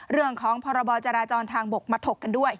เรื่องของพรบจราจรทางบกมาถกกันด้วย